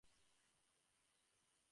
তিনি বিশেষভাবে আপত্তিকর মনে করতেন।